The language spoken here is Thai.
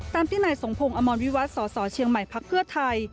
ตามที่นายสงพงษ์อมรวิวัติสสเชียงใหม่พพไทย